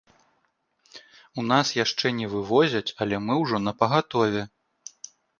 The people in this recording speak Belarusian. У нас яшчэ не вывозяць, але мы ўжо напагатове.